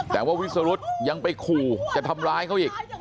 แต่ว่าวิสรุธยังไปขู่จะทำร้ายเขาอีก